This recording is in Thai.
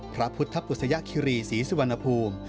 พระพุทธปุศยคิรีศรีสุวรรณภูมิ